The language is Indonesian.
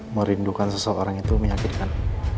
merindukan seseorang itu menyakitkan